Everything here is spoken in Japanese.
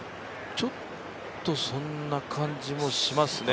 ちょっとそんな感じもしますね。